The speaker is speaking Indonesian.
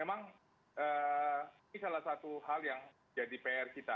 memang ini salah satu hal yang jadi pr kita